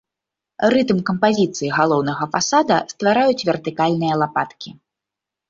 Рытм кампазіцыі галоўнага фасада ствараюць вертыкальныя лапаткі.